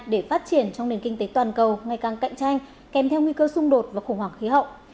để phát triển trong nền kinh tế toàn cầu ngày càng cạnh tranh kèm theo nguy cơ xung đột và khủng hoảng khí hậu